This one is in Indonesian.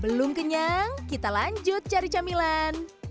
belum kenyang kita lanjut cari camilan